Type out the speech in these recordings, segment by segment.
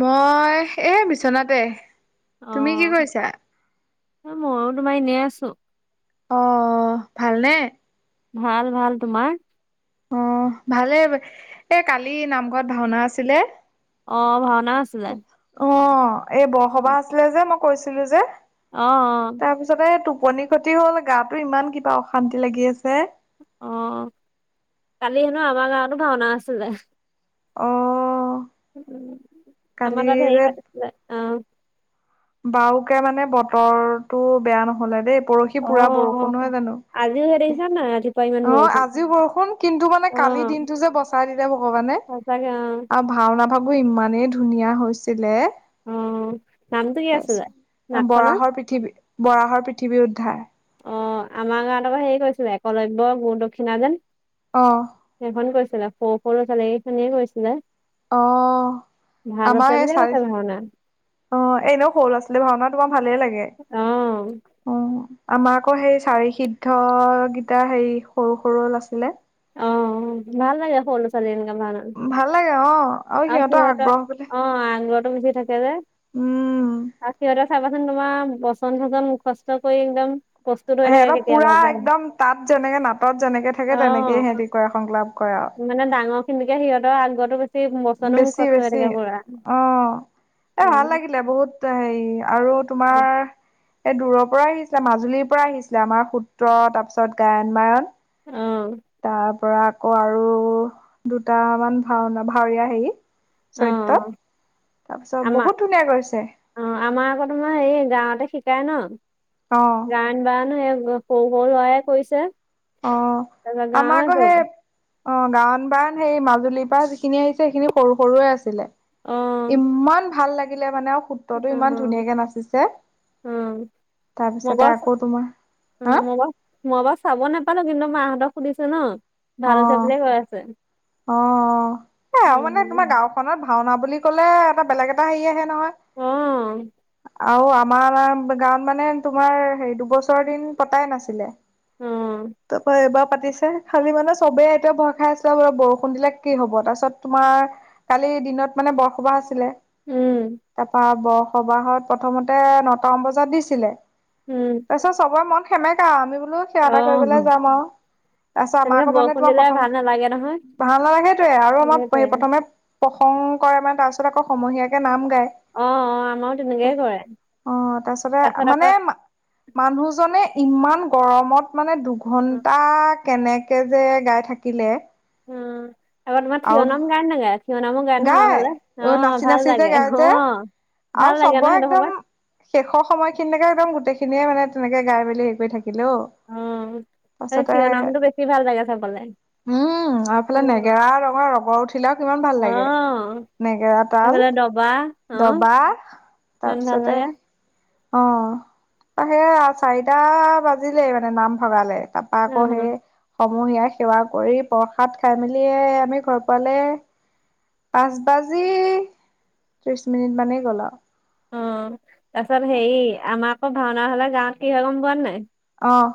মই এ বিচনাতে। তুমি কি অ', কৰিছা? এ মইও তোমাৰ এনেই আছো অ ভালনে? ভাল ভাল, তোমাৰ? অ ভালেই এ কালি নামঘৰত ভাওনা আছিলে। অ ভাওনাও আছিলে। অ এই বৰসবাহ আছিলে যে মই কৈছিলো। যে অহ অ টুপনিক্ষতি হ'ল গাটো ইমান কিবা অশান্তি লাগি আছে। অ কালি হেনো আমাৰ গাঁৱতো ভাওনা, আছিলে। অহ উম আমাৰ তাত হেৰি পাতিছিলে অ বাৰকে মানে বতৰটো বেয়া নহলে দেই পৰহি অ', পুৰা অ বৰষুণ নহয় জানো। আজিও সেই দেখিছা নাই ৰাতিপুৱা ইমান অ বৰষুণ, আজিও বৰষুণ কিন্তু মানে কালি দিনতটো যে বচাই দিলে ভগৱানে। সচাঁকে অ। কথাবোৰ ইমানেই ধুনীয়া হৈছিলে। অ। নামটো কি তাৰ আছিলে? পিছত নাটখনৰ? বৰাহৰ পৃথিৱী বৰাহৰ পৃথিৱী উদ্ধাৰ। অ আমাৰ গাঁৱত আকৌ হেৰি কৰিছিল একলব্য গুৰু দক্ষিণা যেন। অ সেইখন কৈছিলে ফ ফৰু ছালে এইখিনিয়ে কৈছিলে। অ আমাৰ সে বুলিয়ে চাৰি কৈছে ভাওনা, অ এনেও সৰু ল'ৰা -ছোৱালী ভাওনা তোমাৰ ভালেই লাগে অ'। অ আমাক- আকৌ সেই চাৰি সিদ্ধ গিটাৰ হেই সৰু সৰুও আছিলে। অ ভাল লাগে। সৰু লৰা -ছোৱালী এনেকা ভাওনা ভাল লাগে অ আৰু সিহঁতৰ আগ্ৰহ বোলে অ আগত- আগচি থাকে যে উম আৰু সিহঁতক চাবাচোন তোমাৰ বচন চচন মুখষ্ট কৰি একদম প্ৰস্তুত হৈ থাকে সিহঁতক কেতিয়াবা পুৰা পাই একদম তাত যেনেকে নাটত যেনেকে অ থাকে তেনেকে সেতি কৰে সংলাপ কৰে মানে আ। ডাঙৰ খিনিকে সিহঁতৰ আগতো- বচনোও মুখস্ত হৈ বেছি থাকে পুৰা অঁ এ ভাল উম। লাগিলে বহুত হেৰি আৰু তোমাৰ? এই দূৰৰ পৰাই আহিছে মাজুলীৰ পৰা আহিছিলে আমাৰ সূত্ৰ তাৰপিছত গায়ন বায়ন। অ অ তাৰ পৰা আকৌ আৰু দুটামান ভাওনা ভাৱৰীয়া হেৰি। চৈত। অ আমাৰ অ আমাৰ আকৌ তোমাৰ এই গাঁৱতে শ। কাই ন অঁ গায়ন -বায়ন সেই সৰু সৰু লৰাই কৰিছে। অ তাৰপিছত আমাৰ ক গাঁৱে সে। অ গায়ন বায়ন সেই মাজুলীৰ পৰা যিখিনি আহিছে সেইখিনি সৰু সৰুৱে আছিলে। অ ইমান ভাল লাগিলে মানে। সূত্ৰতটো অ ইমান ধুনীয়াকে নাচিছে অ তাৰপিছতে মগজ আকৌ তোমাৰ অ মই বাৰু মই বাৰু চাব নাপালোঁ কিন্তু মাহতক সুধিছো ন অ ভাল আছে বুলিয়ে কৈ আছে। অ এ আৰু মানে তোমাৰ উম, গাঁওখনত ভাওনা বুলি ক'লে এটা বেলেগ এটা হেৰি। নহয়। অ', আৰু আমাৰ গাঁৱত মানে তোমাৰ হে দুবছৰ দিন পতাই নাছিলে। অ', তাৰপা এইবাৰ পাতিছে খালি মানে চবেই এতিয়া ভয় খাই আছিলে ব বৰষুণৰ। বৰষুণ দিলে কি হ'ব তাৰপিছত তোমাৰ কালি দিনত মানে বৰসবাহ আছিলে। উম, তাৰপা বৰসবাহত প্ৰথমতে নটামান বজাত দিছিলে। উম, তাৰপিছত চবৰে মন সেমেকা আমি। সেৱা এটা কৰিবলৈ অ', যাম আৰু তাৰপিছত তেনেকে আমাৰকো মানে বৰষুণ তোমাৰ দিলে ভাল নালাগে নহয় প্ৰথমত। ভাল নালাগে তোয়ে আৰু আমাৰ সেইটোৱে প্ৰথমে। প্ৰসংগ কৰে মানে তাৰ পিছত আকৌ সমহীয়াকে নাম। অ অ', আমাৰো তেনেকেই কৰে। তাৰপিছতে তাৰপিছত আকৌ মানে। মানুহজনে। ইমান গৰমত মানে দুঘন্টা কেনেকে যে গাই থাকিলে। অ আবাৰ তোমাৰ আৰু থিয়নাম গায় নাগায় থিয়নামক। গাই ন আমাৰ ফালে অ নাচি ভাল নাচি যে লাগে গাই যে অ। আৰু ভাল লাগে চব ন সেইটো একদম সময়ত শেষৰ সময়খিনিলকে একদম গোটেইখিনিয়ে মানে তেনেকে গাই মেলি হেৰি কৰি থাকে। হেল্ল'। উ থিয় নামটো বেছি ভাল লাগে চাবলে। উম আৰুফালে অ', নেগেৰা ৰগৰ ৰগৰ উঠিলেও কিমান ভাল অ লাগে। নেগেৰা তাল এইফালে দবা অ', দবা ইমান ভাল তাৰপিছতে। লাগে। অ সে চাৰিটা বাজিলেই মানে নাম ভগালে। তাৰাপা অ আকৌ সেই। মূহীয়া সেৱা কৰি প্ৰসাদ খাই মেলি আমি ঘৰ পালে। পাঁচ বাজি ত্ৰিশ মিনিট মানেই গ'ল আও। অ তাৰ পিছত হেৰি আমাৰ আকৌ ভাওনা হলে গাঁৱত কি হয় গম পোৱা নাই। অহ।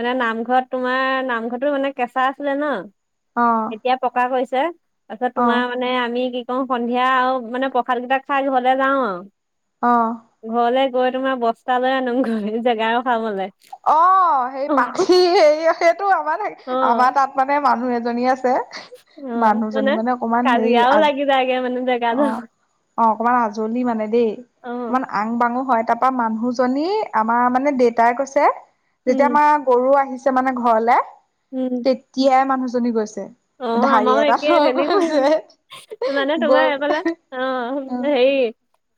মানে নামঘৰত তোমাৰ নামঘৰতটো মানে কেঁচা আছিলে ন আহ এতিয়া পকা কৰিছিল। তাৰপিছত আহ তোমাৰ মানে আমি কি কৰো সন্ধিয়া আৰু মানে প্ৰসাদ কেইটাক খাই ঘৰলে যাও আহ আৰু। ঘৰলে গৈ তোমাৰ বস্তা লৈ আনো ঘৈ জেগাও খাবলৈ। অ সেই পাখি হে সেইটো আমাৰ থ অ আমাৰ তাত মানে মানুহ এজনী আছে। অ মানুহজনী মানে অকমান হেৰি কাজিয়ও আ লাগি থগে মানে জেগা ন। অ অ অকণমান আজলি মানে দেই অকমান আং বাঙো হয়। তাৰাপা মানুহজনী আমাৰ মানে দেউতাই কৈছে উম যেতিয়া আমাৰ গৰু আহিছে। মানে ঘৰলে উম তেতিয়াই মানুহজনী গৈছে। অ ঢাৰি আমাৰো এটাত একে লৈ তেনেকুৱাই গৈছে মানে তোমাৰ গৈ। অ হেৰি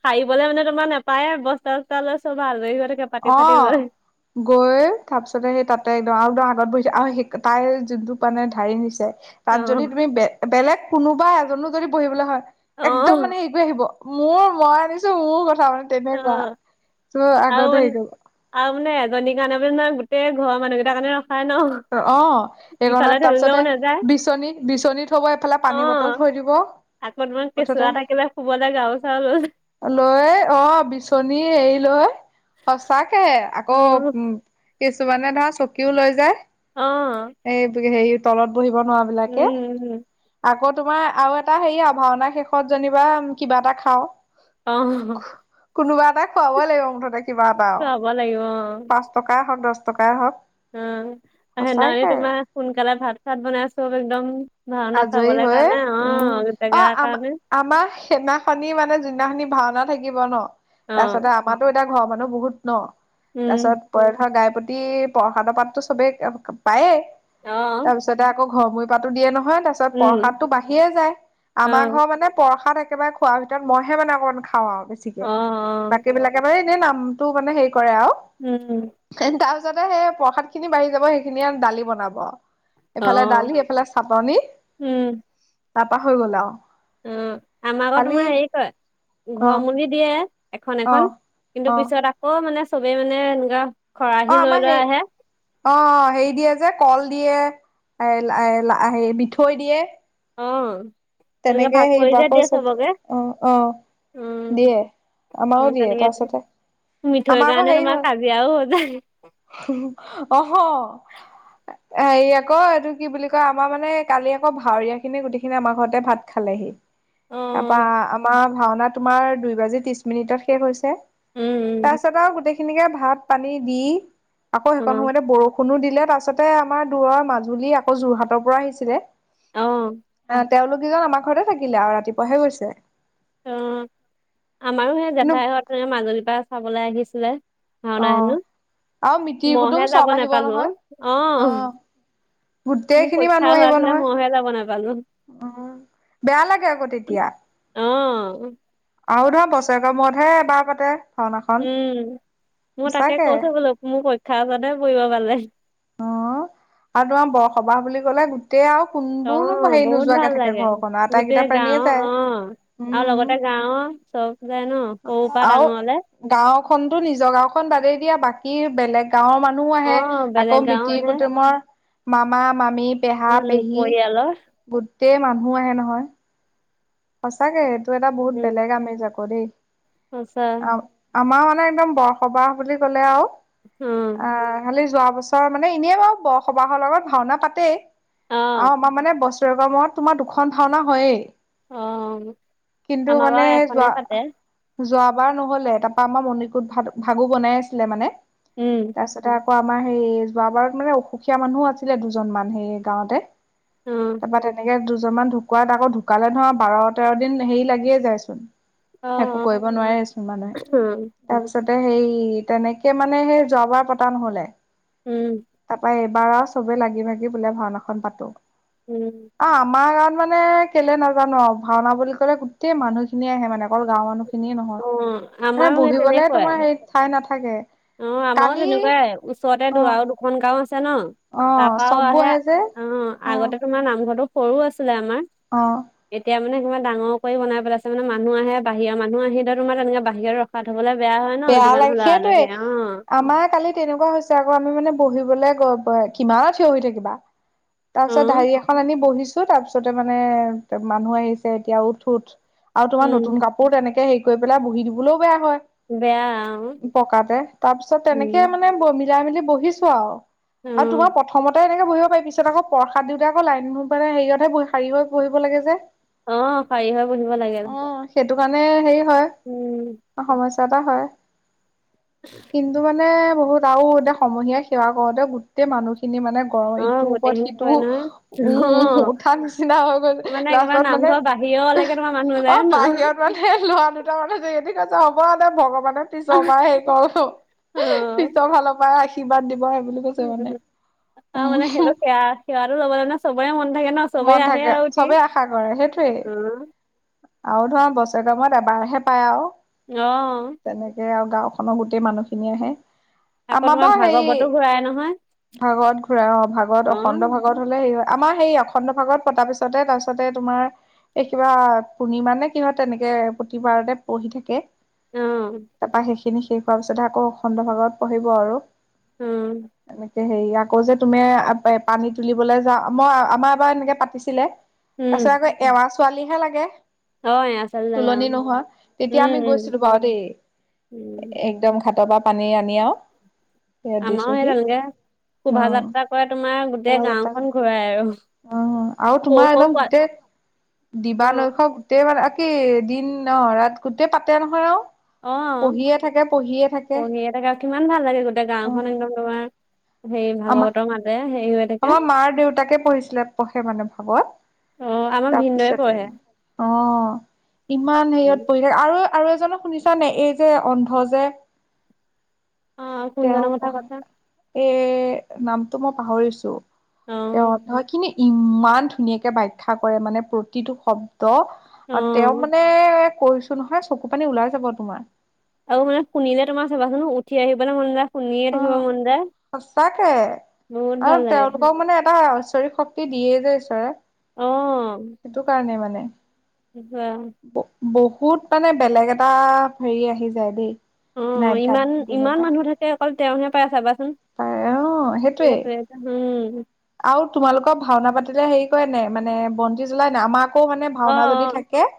সাৰিবলে মানে তোমাৰ নোপায় বস্তা চস্তা লৈ। চব আজৰি হৈ থাকে পাতি অ চাতি লৈ গৈ তাৰপিছতে সেই তাতে একদম আৰু। আগত বহিছে তাইৰ যোনটো মানে ধঢাৰি নিছে অ তাত যদি তুমি বে বেলেগ। কোনোবা এজনো যদি বহিবলৈ হয় অ এক্দম মানে হেৰি কৰিে আহিব মোৰ মই আনিছো মোৰ। কথা মানে অ তেনেকুৱা ত'। আৰু আগতে হেৰি মানে কৰিব আৰু মানে এজনীৰ কাৰণে মানে নহয় গোটেই ঘৰৰ মানুহকেইটাৰ কাৰণে ৰখাই ন। অ ইফালে সেইখনণত তাৰপিছতে ঠেলিলেও নাযায় বিচনী বিচনী থব এইফালে পানী বটল থৈ দিব। আকৌমান কেঁচুৱা থাকিলে শুবলৈ গাৰো চাৰু লৈ যাওঁ। লয় অ। বিচনী এৰি লয়ই সচাকে আকৌ উম। কিছুমানে ধৰা চকীও লৈ অ যায় এই হেৰি তলত। বহিব নোৱাৰা বিলাকে উম উম আগত। তোমাৰ আৰু এটা হেৰি আৰু ভাওনা শেষত যেনিবা কিবা এটা খাও। অ সহ। কোনোবা এটাই খুৱাবই লাগিব মুঠতে কিবা এটা আৰু খুৱাব লাগিব অ পাঁচ টকাই হওক দহ টকাই হওক। অ সেইনা সঁচাকে। তোমাৰ সোনকালে ভাত ভাত বনাইছো একদম। ভাওনা আজৰি চাবলে হৈ কাৰণে অ উম অ জেগাৰ আম কাৰণে আমাৰ সেইনাখনি মানে যোনদিনাখনি। ভাওনা থাকিব ন অ', তাৰপিছতে আমাৰো এতিয়া ঘৰ মানুহ বহুত। ন তাৰ উম, পিছত পৰঠা গাই প্ৰতি প্ৰসাদৰ পাততো চবে পায়েই। অ', তাৰ পিছতে আকৌ ঘৰমূৰি পাতো দিয়ে নহয়। তাৰ পিছত উম, প্ৰসাদতো বাঢিয়ে যায় আমাৰ অ', ঘৰ মানে প্ৰসাদ। একেবাৰে খোৱাৰ ভিতৰত মইহে মানে অকমান খাওঁ আৰু বেছিকে অ', অ', বাকী বিলাকে মানে এনেই নামটো মানে হে। কৰে আৰু উম, তাৰপিছতে সেই প্ৰসাদ খিনি বাঢ়ি যাব সেইখিনি দালি বনাব। এইফালে অ', দালি এইফালে চাটনি। উম। তাৰাপা হৈ গলা আউ। উম আমাৰকৰ তোমাৰ হেৰি কৰে অ ঘৰ মূুলি দিয়ে। এখন অ এখন কিন্তু অ পিছত আকৌ মানে চবেই মানে এনেকুৱা। খৰাহী অ লৈ আমাৰ সে লৈ আহে। অ সেৰি দিয়ে যে কল। দিয়ে এ এইলা এইলা হে মিঠৈ দিয়ে। অ। তেনেকে ভাগ সেই কৰি যে বাক দিয়ে চত চবকে। অ অ আহ উম, দিয়ে। আমাৰও অ', দিয়ে তেনেকে তাৰপাছতে। মিঠৈৰ আমাৰ আকৌ কাৰণে হেৰি তোমাৰ হল কাজিয়াও হৈ যায়। অ সহ। হেৰি আকৌ এইটো কি বুলি কয় আমাৰ মানে কালি আকৌ ভাৱৰিয়া খিনি গোটেইখিনি আমাৰ ঘৰত। ভাত খালেহি তাৰপা অ', আমাৰ ভাওনা তোমাৰ দুই বাজি ত্ৰিশ মিনিটত শেষ হৈছে। উম, তাৰপিছত আৰু গোটেইখিনিকে ভাত পানী দি। আকৌ সেইখন উম, সময়তে বৰষুণো দিলে তাৰাছতে আমাৰ দূৰৰ মাজুলী আকৌ যোৰহাটৰ পৰা আহিছিলে। অ। তেওঁলোক কেইজন আমাৰ ঘৰতে থাকিলে আৰু ৰাতিপুৱাাহে গৈছে। অ আমাৰো সেই কিন্তু জেঠাই হত মাজুলীৰ পৰা চাবলৈ আহিছিলে। অ হাওনা হেনো আৰু মিতিৰ কুটুম মইহে চব যাব আহিব নোপালো নহয়। অ। অ গোটেই মোৰ খিনি মানুহ পৰীক্ষা হোৱা আহিব আছিলে নহয়। মইহে যাব নাপালো। বেয়া লাগে আকৌ তেতিয়া। অ। আৰু ধৰা বছৰেকৰ মূৰতহে এবাৰ পাতে। ভাওনাখন। উম মই তাকে সঁচাকে কৈছো বোলো মোৰ পৰীক্ষা উচতে সে পৰিব পালে। অ আৰু তোমাৰ বৰসবাহ বুলি কলে। তেয়া আৰু কোন অ বোৰনো হেৰি বহুত নোযোৱাকে ভাল থাকে লাগে ঘৰখনৰ গোটেই আটাইকেইটা প্ৰাণীয়ে গাঁও অ যায়। আৰু লগতে উম গাঁওৰ চব যায় ন সৰুৰ পৰা ডাঙৰলে। গাঁও খনতো নিজৰ গাওঁখন বাদেই দিয়া বাকী বেলেগ গাঁওৰ মানুহো অ আহে। বেলেগ আকৌ গাঁও মিতিৰ আহে কুটুমৰ মামা মামী পেহা উম পেহী পৰিয়ালৰ গোট- গোটেই মানুহ আহে নহয়। সঁচাকে সেইটো এটা বহুত উম বেলেগ আমেজ আক দেই সঁচা আ আমাৰ একদম বৰসবাহ বুলি ক'লে আৰু উম অ খালি যোৱা বছ চৰ মানে এনে বাৰু বৰসবাহৰ লগত ভাওনা পাতে অ আমাৰ মানে ব- বছেকৰ মূৰত তোমাৰ দুখন ভাওনা হয়েই অ কিন্তু আমাৰ মানে বাৰু যোৱা এখনেই পাতে যোৱা বাৰ নহলে তাৰপা আমাৰ মণিকোত ভ ভাগু বনাই আছিলে মানে উম তাৰপিছতে আকৌ আমাৰ সেই যোৱাবাৰত মানে অসুখীয়া মানুহো আছিলে দুজন মান সেই গাঁৱতে। অ তাৰপৰা তেনেকে দুজনমান ঢুকুৱাত আকৌ ঢুকালে নহয়। বাৰ তেৰ দিন হেৰি লাগিয়ে যায়চোন। অ একো অ কৰিব নোৱাৰেচোন মানুহে তাৰপিছত সেই তেনেকে মানে সেই যোৱাবাৰ পতা নহলে উম তাপা এ- বাৰ আ চবে লাগি ভাগি বোলে ভাওনাখন পাতো। উম আহ আমাৰ মানে কেলে নাজানো আৰু ভাওনা বুলি ক'লে গোটেই মানুহখিনিয়ে আহে মানে অকল গাঁওৰ মানুহ খিনিয়ে নহয়। অ', এ আমাৰো সেই বহিবলে তেনেকুৱাই তোমাৰ সেই ঠাই নাথাকে। অ আমাৰো কালি তেনেকুৱাই অ ওচৰতে আৰু দুখন গাঁও আছে। আছে ন অ তাৰ পাও চববোৰ আহে যে অ উম আগতে তোমাৰ নামঘৰতো সৰু আছিলে। লে আমাৰ অ এতিয়া মানে কিমান ডাঙৰ কৰি বনাই পেলাইছে মানে মানুহ আহে বাহিৰা মানুহ আহিলে তোমাৰ তেনেকে বাহিৰত ৰখাত বেয়া লাগে সেইটোৱে অ', আমাৰ কালি তেনেকুৱা হৈছে আকৌ আমি মানে বহি [unintelligible] কিমানত থিয় হৈ থাকিবা তাৰ পিছত অ', হেই এখন আনি বহিছো তাৰ পিছতে মানে মানুহে আহিছে এতিয়া উঠ উঠ আৰু তোমাৰ উম, নতুন কাপোৰ তেনেকে সেই গৈ পেলাই বহি দিবলৈও বেয়া হয় বেয়া অ, পকাতে তাৰ পিছত তেনেকে উম, মানে বমি- মিলাই মেলি বহিছো আও আৰু অ', তোমাৰ প্ৰথমতে তেনেকে বহিব পাৰি পিছত আকৌ প্ৰসাদ দিওঁতে আকৌ লাইন মানে হেৰি হৈ হাৰি হৈ বহিব লাগে যে। অ খায়ী হৈ বহিব লাগে আৰু। অ সেইটো কাৰণে হেৰি হয় সমস্যা এটা হয়। কিন্তু মানে বহুত আৰু এতিয়া সমুহীয়া সেৱা কৰোতে গোটেই মানুহখিনি মানে গৰম অ', ইটোৰ ওপৰত গোটেইখিনি কয় নহয় সিটো উম উঠা নিচিনা হৈ অ', গৈ মানে একেবাৰে লাষ্টত মানে নামঘৰ বাহিৰলৈকে তোমাৰ মানুহ অ যায় ন বাহিৰত মানে লৰা দুটা মানে যে এতি ঠিক আছে হ'ব দে ভগৱানে পিছৰ পৰা হেৰি কৰো অ'। পিছৰ ফালৰ পৰাই ৰাখি কিবাত দিব বুলি কৈছে উম মানে আৰু উম মানে সেইটো সেয়া সেৱা টো লবলে নো ছবৰে মন থাকে ন চবেই মন আহে থাকে আৰু উঠি। চবেই আশা কৰে সেইটোৱেই। আৰু ধৰা বছৰে কামত এবাৰহে পায় আৰু। অহ তেনেকে আৰু গাঁওখনৰ গোটেই মানুহখিনি আহে। আকৌ আমাৰ তোমাৰ বাও হে ভাগৱতো ঘূৰাই নহয়। ভাগত ঘূৰা অ ভাগত অখণ্ড ভাগত হলে স আমাৰ সেই অখণ্ড ভাগত পতা পিছতে তাৰপিছতে তোমাৰ এই কিবা পূৰ্ণিম নে কিহত তেনেকে প্ৰতিবাৰতে পঢ়ি থাকে। আহ তাৰপা সেইখিনি শেষ হোৱাৰ পিছত আকৌ অখণ্ড ভাগত পঢ়িব আৰু উম, এনে হেৰি আকৌ যে তুমি পানী তুলিবলৈ যাওঁ মই আমাৰ এবাৰ এনেকে পাতিছিলে। উম, তাৰপিছত আকৌ এৱা ছোৱালীহে লাগে। অ', এয়া চালি লাগে অ', তুলনি নোহোৱা তেতিয়া আমি উম, উম, গৈছিলো বাৰু দেই। উম। একদম ঘাটৰ বা পানী আনি আও। আমাৰো সেই তেনেকে শোভা যাত্ৰা কৰে তোমাৰ গোটেই শোভাযাত্ৰা গাঁওখন ঘূৰাই আৰু। অ আৰু সৰু তোমাৰ সৰু একদম পোৱালি গোটেই দিবা অ', নৈশ গোটেই মানে। কি দিন অ ৰাত গোটেই পাতে নহয় আৰু। অ পঢ়িয়ে থাকে পঢ়িয়ে থাকে কণী এটকা কিমান ভাল লাগে গোটেই অ গাঁওখন একদম তোমাৰ। সেই আমাৰ ভাগৱতৰ মাজৰে। আমাৰ মাৰ দেউতাকে পঢ়িছিলে পঢ়ে মানে ভাগৱত। অ', আমাৰ ভিনদেউৱে তাৰপিছতে পঢ়ে। অ ইমান হেৰিয়ত পঢ়ি আৰু। আৰু এজনক শুনিছা নে এই যে অন্ধ যে। অ কোন তেওঁ জনৰ কথা পঢ়ে কৈছা। এ নামটো মই পাহৰিছো অ', তে হয় খিনি। ইমান ধুনীয়াকৈ বাখ্যা কৰে মানে প্ৰতিটো শব্দ। ত তেওঁ অ'। মানে কৈছো নহয় চকু পানী ওলাই যাব তোমাৰ? আৰু মানে শুনিলে তোমাৰ চাবাচোনো উঠি আহিব নে মন নাযায়। অ সচাঁকে বহুত আৰু ভাল লাগে তেওঁলোকক মানে এটা। ঈশ্বৰিক শক্তি দিয়ে যে ঈশ্বৰে সেইটো কাৰণে মানে। সেইবোৰে আৰু। বহুত মানে বেলেগ এটা হেৰি আহি যায় দেই অ মানে ইমান আধ্যাত্মিক ইমান মানুহ থাকে অকল তেওঁহে পায় চাবা তাৰে অ সেইটোৱেই উম আৰু তোমালোকৰ ভাওনা পাতি। হেৰি কৰে নাই মানে বন্তি জ্বলাই নাই আমাকো মানে অ ভাওনা অ যদি থাকে।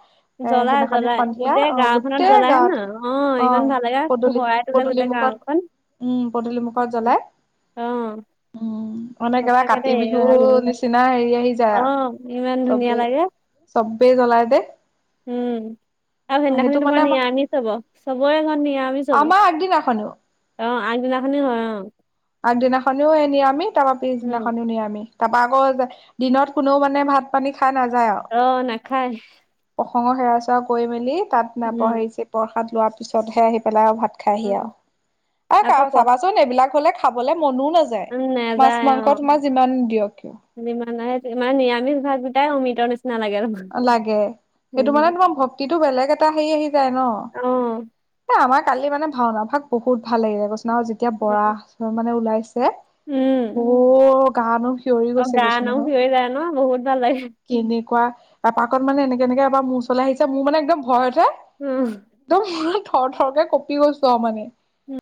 এ জ্বলাই সেইদিনাখনি জ্বলাই সন্ধিয়া গোটেই অ গাওঁখননত গোটেই জ্বলায়ে ন গাঁৱতে অ ইমান ভাল লাগে পদূলি পোহৰাই তোলে পদূলি গোটেই গাওঁ। মুখত গাওঁখন। উম পদূলি মুখত জ্বলাই উম। মানে একেবাৰে সঁচাকে কাতি দেই ভাল বিহুৰ নিচিনা হেৰি আহি যায় অ ইমান আৰু- ধুনীয়া চবেই লাগে চবেই জ্বলাই যে। উম। আৰু সেইদিনাখনি তোমাৰ আমাৰ নিৰামিচ হব চবৰে ঘৰত নিৰামিচ হব আমাৰ আগদিনাখনেও অ। আগদিনাখনি হয় অ। আগদিনাখনিও ই নিৰামিষ তাৰপৰা উম পিছদিনাখনিও নিৰামিষ। তাপা আকৌ যে দিনত কোনেও মানে ভাত পানী। খাই অ নাখায়। খনৰ সেৱা চেৱা কৰি মেলি তাত উম নপিছে প্ৰসাদ লোৱাৰ পিছতহে আহি পেলাই আৰু ভাত খাইহি উম আৰু আকৌ আৰু প চাবাচোন এইবিলাক হলে খাবলৈ। মনো নাযায় উম মাছ মাংস তোমাৰ যিমান দিয়ক কিয়। ইমানে ইমান নিৰামিষ ভাত কেইটাই অমিতৃতৰ নিচিনা। লাগে আৰু। লাগে সেইটো মানে উম, তোমাৰ ভক্তিটো বেলেগ এটা হেৰি আহি যায় ন। অ এ আমাৰ কালি মানে ভাওনা ভাগ বহুত ভাল লাগিলে কৈছোঁ নহয় আৰু যেতিয়া বৰা মানে ওলাইছে। উম অ' গা নোম সিঞৰি অ গৈছে গায় গৈছো ন নহয় ভিৰ হয় যায় ন বহুত ভাল লাগে। কেনেকুৱা এপাকত মানে এনেকে এনেকে এবাৰ মূৰ চললৈ আহিছে মোৰ মানে একদম ভয় উঠে উম একদম থৰ থৰকে কঁপি গৈছো আৰু মানে।